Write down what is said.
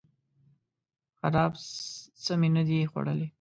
خراب څه می نه دي خوړلي